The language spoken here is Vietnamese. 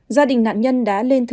gia đình nạn nhân đã lên tàu